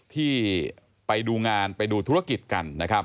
ที่ไปดูงานไปดูธุรกิจกัน